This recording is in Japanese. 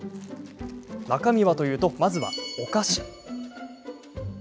中身はというとまずはお菓子。